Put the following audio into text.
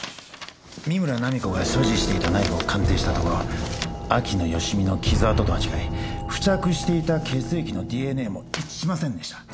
三村菜実子が所持していたナイフを鑑定したところ秋野芳美の傷痕とは違い付着していた血液のＤＮＡも一致しませんでした。